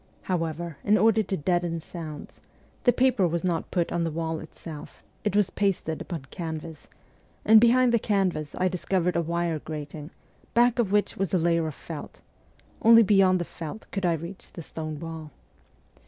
However, in order to deaden sounds, the paper was not put on the wall itself ; it was pasted upon canvas, and behind the canvas I discovered a wire grating, back of which was a layer of felt ; only beyond the felt could I reach the stone wall.